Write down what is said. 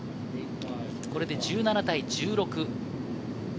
これで１７対１６。